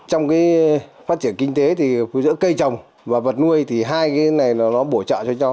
trong phát triển kinh tế thì giữa cây trồng và vật nuôi thì hai cái này nó bổ trợ cho cho